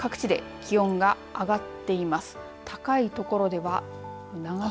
きょうも各地で気温が上がっています。